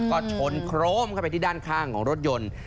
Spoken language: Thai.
ก็ชนโครมเข้าไปที่ด้านข้างของรถยนต์